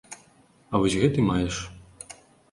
А вось гэты маеш.